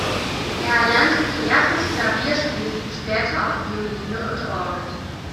Er erlernte zuerst das Klavierspiel, später auch Violine und Orgel.